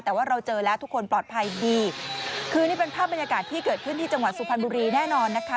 แต่ว่าเราเจอแล้วทุกคนปลอดภัยดีคือนี่เป็นภาพบรรยากาศที่เกิดขึ้นที่จังหวัดสุพรรณบุรีแน่นอนนะคะ